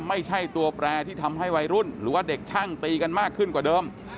ไม่ใช่ตัวแปรที่ทำให้วัยรุ่นหรือว่าเด็กช่างตีกันมากขึ้นกว่าเดิม